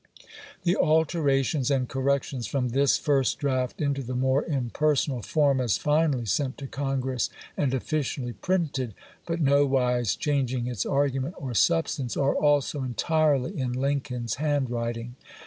The alterations and corrections from this first draft into the more impersonal form as finally sent to Congress and officially printed, but nowise changing its argument or substance, are also en tirely in Lincoln's handwriting.